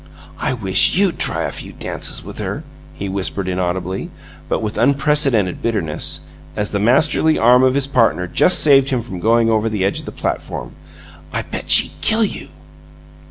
"I wish YOU'D try a few dances with her!" he whispered, inaudibly, but with unprecedented bitterness, as the masterly arm of his partner just saved him from going over the edge of the platform. "I bet she'd kill you!"